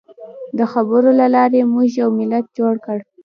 د خبرو له لارې موږ یو ملت جوړ کړ.